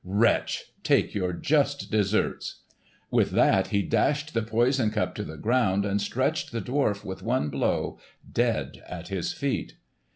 Wretch, take your just deserts!" With that he dashed the poison cup to the ground, and stretched the dwarf, with one blow, dead at his feet.